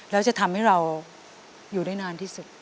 แล้วจะทำให้เราอยู่ได้นานที่สุด